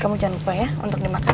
kamu jangan lupa ya untuk dimakan